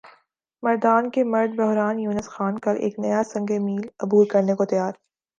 مردان کےمرد بحران یونس خان کل ایک نیا سنگ میل عبور کرنے کو تیار